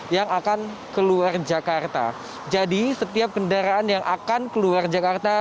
yang akan keluar jakarta jadi setiap kendaraan yang akan keluar jakarta